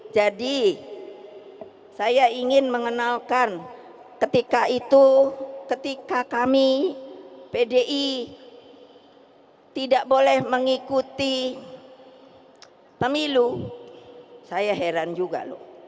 jadi saya ingin mengenalkan ketika itu ketika kami pdi tidak boleh mengikuti pemilu saya heran juga loh